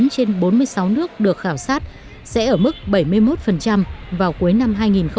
một mươi trên bốn mươi sáu nước được khảo sát sẽ ở mức bảy mươi một vào cuối năm hai nghìn hai mươi